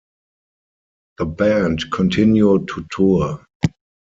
The band continue to tour.